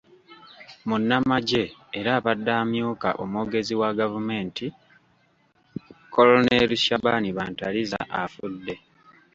Munnnamajje era abadde amyuka omwogezi wa gavumenti, Colonel Shaban Bantariza afudde.